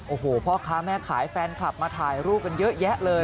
โอ้โหพ่อค้าแม่ขายแฟนคลับมาถ่ายรูปกันเยอะแยะเลย